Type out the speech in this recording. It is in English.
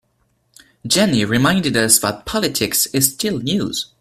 Jenny reminded us that politics is still news.